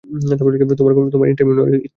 তোমার ইন্টারভিউ নেয়া হচ্ছে আমার না।